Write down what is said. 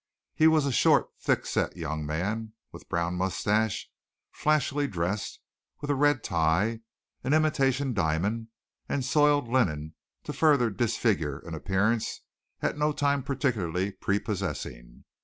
He was a short, thick set young man, with brown moustache, flashily dressed, with a red tie, an imitation diamond, and soiled linen to further disfigure an appearance at no time particularly prepossessing.